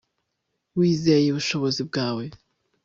wizere ubushobozi bwawe